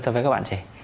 so với các bạn trẻ